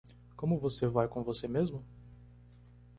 Como você vai com você mesmo?